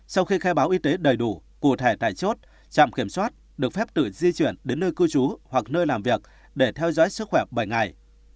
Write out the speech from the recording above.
sau khi khai báo y tế đầy đủ cụ thể tại chốt trạm kiểm soát được phép tự di chuyển đến nơi cư trú hoặc nơi làm việc để theo dõi sức khỏe bảy ngày